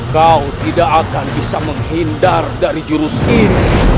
kau tidak akan bisa menghindar dari jurus ini